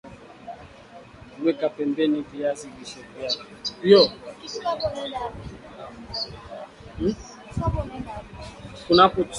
Weka pembeni viazi lishe vyako